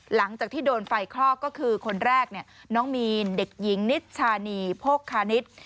หลังจากที่โดนไฟคลอกก็คือคนแรกน้องมีนเด็กหญิงนิชชานีโภคคานิต